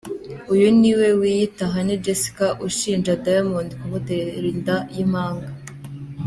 Uyu niwe wiyita Honey Jesca ushinja Diamond kumutera inda y’impanga